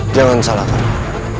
jangan salahkan aku